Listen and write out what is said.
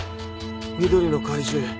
緑の怪獣。